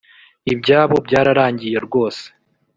ibyabo byararangiye rwose